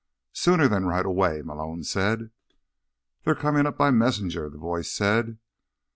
"Sooner than right away," Malone said. "They're coming up by messenger," the voice said.